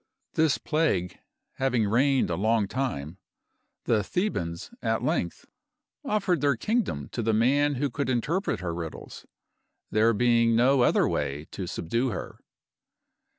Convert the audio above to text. This plague having reigned a long time, the Thebans at length offered their kingdom to the man who could interpret her riddles, there being no other way to subdue her.